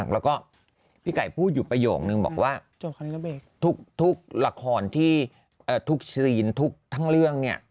แล้วก็พี่ไก่พูดอยู่ประโยคนึงบอกว่าทุกละครที่ทุกซีนทุกทั้งเรื่องเนี่ย